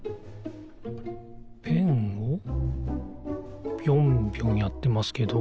ペンをぴょんぴょんやってますけど。